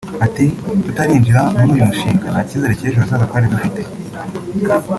Ati “Tutarinjira muri uyu mushinga nta cyizere cy’ejo hazaza twari dufite